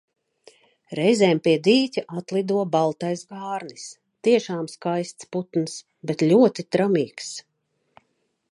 Reizēm pie dīķa atlido baltais gārnis - tiešām skaists putns, bet ļoti tramīgs.